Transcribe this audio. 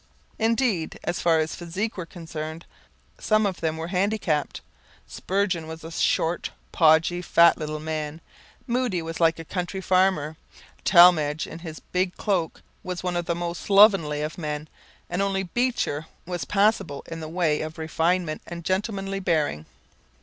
Indeed as far as physique were concerned, some of them were handicapped. Spurgeon was a short, podgy, fat little man, Moody was like a country farmer, Talmage in his big cloak was one of the most slovenly of men and only Beecher was passable in the way of refinement and gentlemanly bearing.